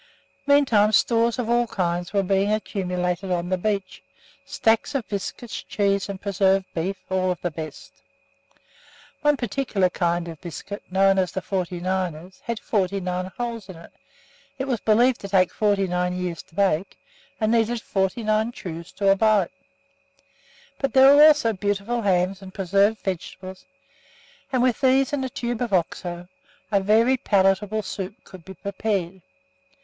Meantime stores of all kinds were being accumulated on the beach stacks of biscuits, cheese and preserved beef, all of the best. One particular kind of biscuit, known as the "forty niners," had forty nine holes in it, was believed to take forty nine years to bake, and needed forty nine chews to a bite. But there were also beautiful hams and preserved vegetables, and with these and a tube of Oxo a very palatable soup could be prepared.